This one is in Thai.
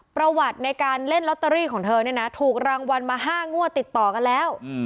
ประวัติในการเล่นลอตเตอรี่ของเธอเนี่ยนะถูกรางวัลมา๕งวดติดต่อกันแล้ว